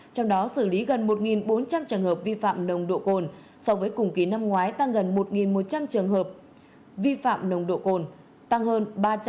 công an các địa phương đã xử lý gần một bốn trăm linh trường hợp vi phạm nồng độ cồn so với cùng kỳ năm ngoái tăng gần một một trăm linh trường hợp vi phạm nồng độ cồn tăng hơn ba trăm sáu mươi hai